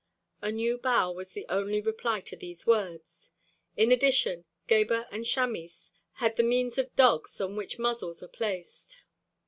A new bow was the only reply to these words; in addition Gebhr and Chamis had the miens of dogs on which muzzles are placed.